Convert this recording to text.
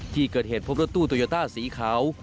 ที่เกิดเหตุพบรถตู้โตโยต้าสีขาว